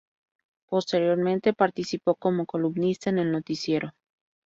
Posteriormente participo como columnista en el Noticiero.